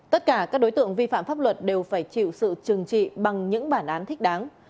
tất cả các đối tượng vi phạm pháp luật đều phải chịu sự trừng trị bằng những bản án thích đáng